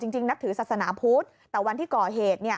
จริงนักถือศาสนภุร์แต่วันที่ก่อเหตุเนี่ย